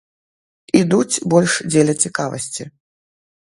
Ідуць больш дзеля цікавасці.